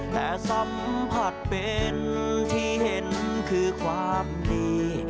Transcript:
แต่สัมผัสเป็นที่เห็นคือความดี